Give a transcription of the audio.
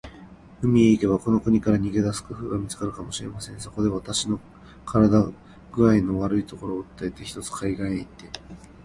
海へ行けば、この国から逃げ出す工夫が見つかるかもしれません。そこで、私は身体工合の悪いことを訴えて、ひとつ海岸へ行って